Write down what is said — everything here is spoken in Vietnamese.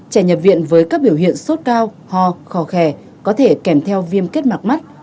trẻ nhập viện với các biểu hiện sốt cao ho khó khè có thể kèm theo viêm kết mặt mắt